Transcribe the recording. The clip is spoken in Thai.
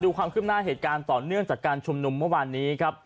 ความขึ้นหน้าเหตุการณ์ต่อเนื่องจากการชุมนุมเมื่อวานนี้ครับ